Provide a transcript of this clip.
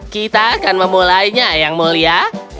kita akan memulainya yang mulia